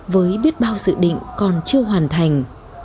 với biết bao dự định còn chưa hoàn thành